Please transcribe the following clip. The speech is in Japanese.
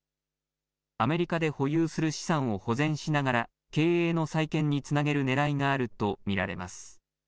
アメリカで保有する資産を保全しながら、経営の再建につなげるねらいがあると見られます。